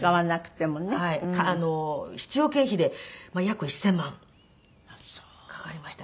必要経費で約１０００万かかりました。